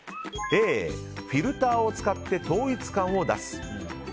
Ａ、フィルターを使って統一感を出す。